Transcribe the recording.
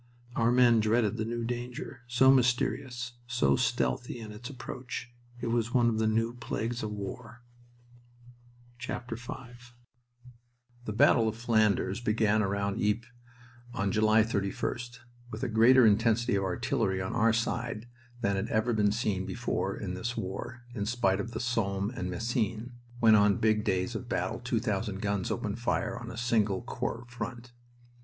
Our men dreaded the new danger, so mysterious, so stealthy in its approach. It was one of the new plagues of war. V The battle of Flanders began round Ypres on July 31st, with a greater intensity of artillery on our side than had ever been seen before in this war in spite of the Somme and Messines, when on big days of battle two thousand guns opened fire on a single corps front.